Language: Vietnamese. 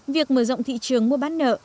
việc mở rộng thị trường mua bán nợ